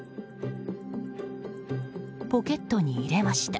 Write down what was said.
ポケットに入れました。